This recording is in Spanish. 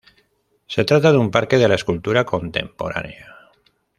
Se trata de un parque de la escultura contemporánea.